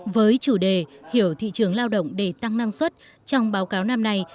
với chủ đề hiểu thị trường lao động để tăng năng suất trong báo cáo năm nay